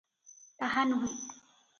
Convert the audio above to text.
ତାହା ନୁହେଁ ।